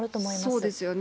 そうですよね。